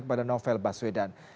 kepada novel baswedan